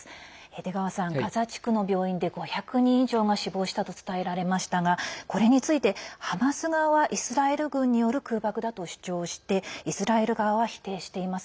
出川さん、ガザ地区の病院で５００人が死亡したと伝えられましたがこれについてハマス側はイスラエル軍による空爆だと主張してイスラエル側は否定しています。